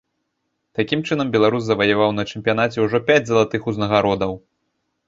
Такім чынам беларус заваяваў на чэмпіянаце ўжо пяць залатых узнагародаў.